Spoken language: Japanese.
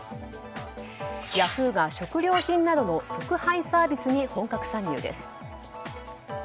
ヤフーが食料品などの即配サービスに本格参入です。